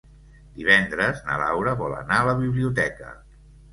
Divendres na Laura vol anar a la biblioteca.